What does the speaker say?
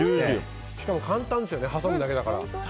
しかも簡単ですよね挟むだけだから。